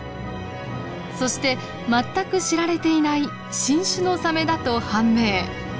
そして全く知られていない新種のサメだと判明。